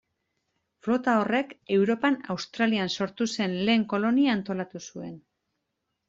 Flota horrek Europak Australian sortu zuen lehen kolonia antolatu zuen.